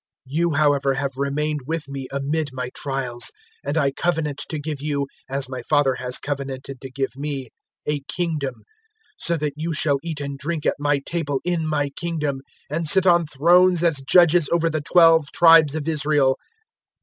022:028 You however have remained with me amid my trials; 022:029 and I covenant to give you, as my Father has covenanted to give me, a Kingdom 022:030 so that you shall eat and drink at my table in my Kingdom, and sit on thrones as judges over the twelve tribes of Israel.